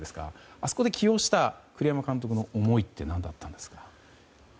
あそこで起用した栗山監督の思いって何だったんですか？